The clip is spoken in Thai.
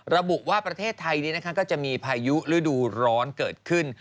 ระบุว่าประเทศไทยนี้ก็จะมีพายุฤดูร้อนเกิดขึ้น